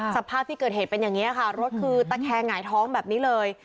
สภาพที่เกิดเหตุเป็นอย่างนี้ค่ะรถคือตะแคงหงายท้องแบบนี้เลย